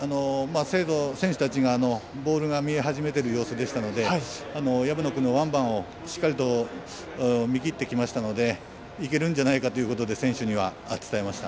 選手たちがボールが見え始めている様子でしたので薮野君のワンバンをしっかりと見切ってきたのでいけるんじゃないかということで選手には伝えました。